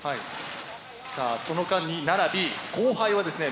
さあその間に奈良Ｂ後輩はですね